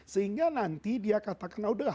sehingga nanti dia katakan